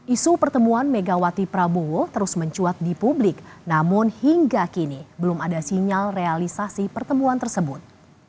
isu pertemuan megawati prabowo terus mencuat di publik namun hingga kini belum ada sinyal realisasi pertemuan tersebut